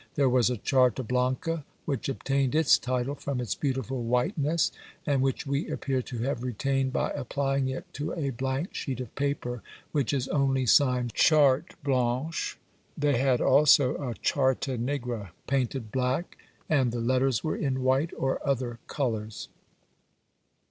There was a Charta blanca, which obtained its title from its beautiful whiteness, and which we appear to have retained by applying it to a blank sheet of paper which is only signed, Charte Blanche. They had also a Charta nigra, painted black, and the letters were in white or other colours.